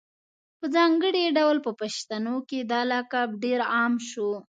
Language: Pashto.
په ځانګړي ډول په پښتنو کي دا لقب ډېر عام شو